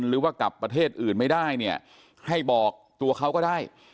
หรือว่ากลับประเทศอื่นไม่ได้เนี่ยให้บอกตัวเขาก็ได้